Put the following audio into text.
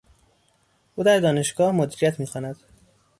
او در دانشگاه مدیریت میخواند.